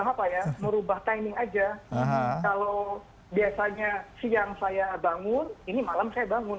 kalau biasanya siang saya bangun ini malam saya bangun